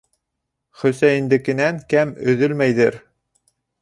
Хөсәйендекенән кәм өҙөлмәйҙер.